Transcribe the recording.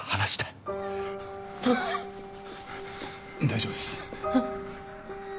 大丈夫です。